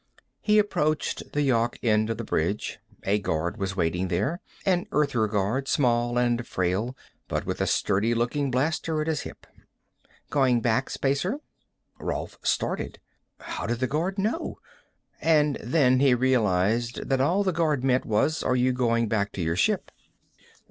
He approached the Yawk end of the bridge. A guard was waiting there an Earther guard, small and frail, but with a sturdy looking blaster at his hip. "Going back, Spacer?" Rolf started. How did the guard know? And then he realized that all the guard meant was, are you going back to your ship?